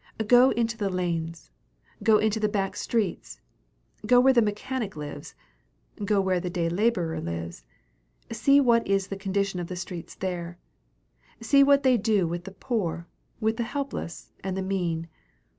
Go into the lanes, go into the back streets, go where the mechanic lives; go where the day laborer lives. See what is the condition of the streets there. See what they do with the poor, with the helpless, and the mean.